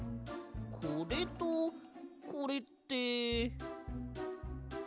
これとこれって。